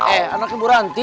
eh anaknya bu ranti